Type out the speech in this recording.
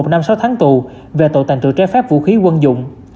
một năm sáu tháng tù về tội tàn trữ trái phép vũ khí quân dụng